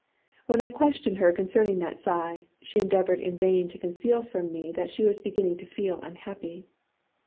When I questioned her concerning that sigh, she endeavoured in vain to conceal from me that she was beginning to feel unhappy.